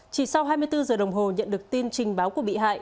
chỉ sau hai mươi bốn giờ đồng hồ nhận được tin trình báo của bị hại